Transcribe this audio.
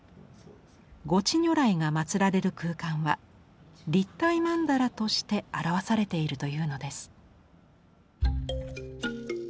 五智如来が祀られる空間は立体曼荼羅として表されているというのです。